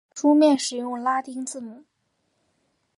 书面使用拉丁字母。